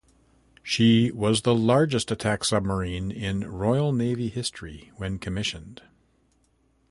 She was the largest attack submarine in Royal Navy history when commissioned.